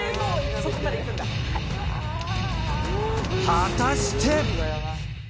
果たして？